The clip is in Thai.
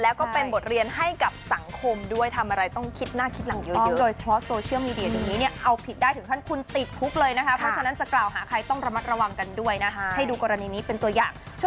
และสำหรับคนอื่นด้วย